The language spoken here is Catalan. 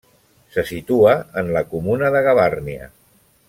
Se situa en la comuna de Gavarnia.